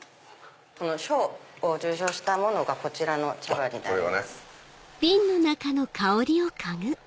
賞を受賞したものがこちらの茶葉になります。